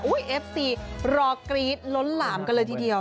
เอฟซีรอกรี๊ดล้นหลามกันเลยทีเดียว